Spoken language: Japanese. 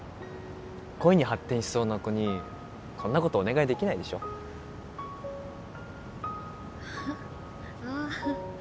恋に発展しそうな子にこんなことお願いできないでしょああ